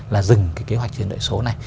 là dừng cái kế hoạch chuyển đổi số này